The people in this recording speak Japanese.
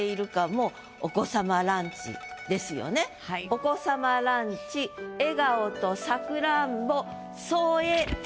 「お子様ランチ笑顔とさくらんぼ添えて」。